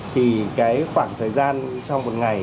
thì cái khoảng thời gian trong một ngày